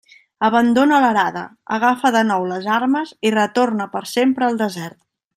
Abandona l'arada, agafa de nou les armes, i retorna per sempre al desert.